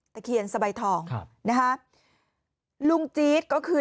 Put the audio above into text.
เคียนสบายทองครับนะฮะลุงจี๊ดก็คือ